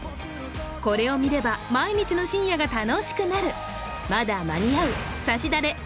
これを見れば毎日の深夜が楽しくなるまだ間に合う「さし誰」